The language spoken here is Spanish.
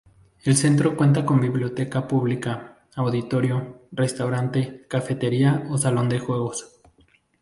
El centro cuenta con biblioteca pública, auditorio, restaurante, cafetería o salón de juegos.